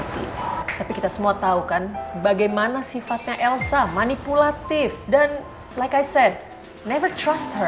tapi kita semua tahu kan bagaimana sifatnya elsa manipulatif dan like i said never trust her